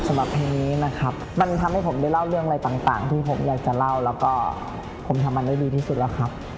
สำหรับเพลงนี้นะครับมันทำให้ผมได้เล่าเรื่องอะไรต่างที่ผมอยากจะเล่าแล้วก็ผมทำมันได้ดีที่สุดแล้วครับ